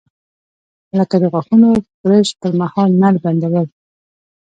لکه د غاښونو برش پر مهال نل بندول.